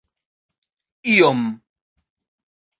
iom